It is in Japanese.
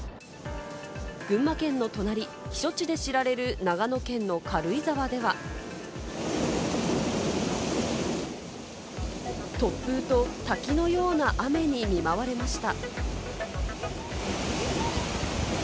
群馬県の隣、避暑地で知られる長野県の軽井沢では、突風と滝のような雨に見舞われました。